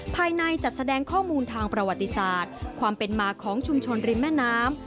ภายในจัดแสดงข้อมูลทางประวัติศาสตร์ความเป็นมาของชุมชนริมแม่น้ำ